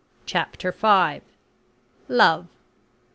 CHAPTER FIVE. "LOVE."